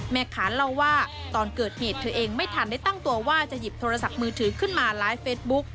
แม่ค้าเล่าว่าตอนเกิดเหตุเธอเองไม่ทันได้ตั้งตัวว่าจะหยิบโทรศัพท์มือถือขึ้นมาไลฟ์เฟซบุ๊ก